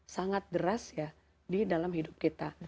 sangat deras ya di dalam hidup kita